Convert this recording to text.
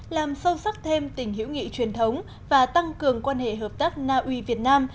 làm sâu sắc thêm tình hữu nghị truyền thống và tăng cường quan hệ hợp tác naui việt nam